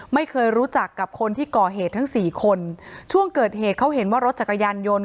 ไม่เคยรู้จักกับคนที่ก่อเหตุทั้งสี่คนช่วงเกิดเหตุเขาเห็นว่ารถจักรยานยนต์